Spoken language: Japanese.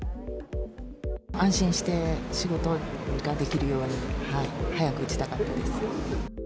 安心して仕事ができるように、早く打ちたかったです。